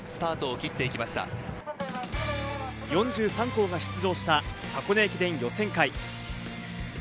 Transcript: ４３校が出場した箱根駅伝予選会。